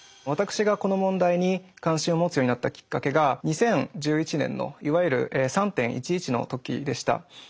私がこの問題に関心を持つようになったきっかけが２０１１年のいわゆる３．１１の時でした。